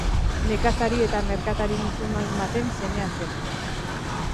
Nekazari eta merkatari musulman baten semea zen.